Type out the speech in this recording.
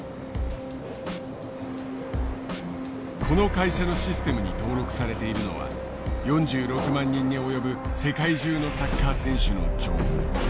この会社のシステムに登録されているのは４６万人に及ぶ世界中のサッカー選手の情報。